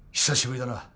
久しぶりだな。